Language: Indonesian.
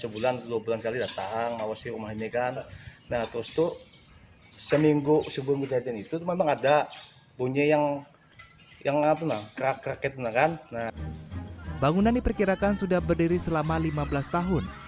bangunan diperkirakan sudah berdiri selama lima belas tahun